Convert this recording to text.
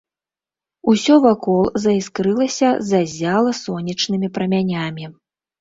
Усё вакол заіскрылася, заззяла сонечнымі прамянямі.